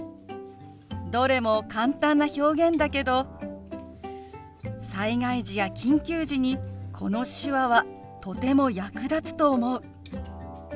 どれも簡単な表現だけど災害時や緊急時にこの手話はとても役立つと思う。